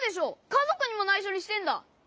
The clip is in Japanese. かぞくにもないしょにしてんだ！